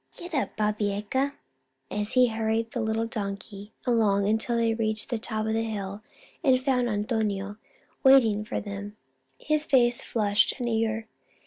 Get up, Babieca," and he hurried the little donkey along until they reached the top of the hill and found Antonio waiting for them, his face flushed and eager.